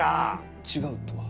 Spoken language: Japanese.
違うとは？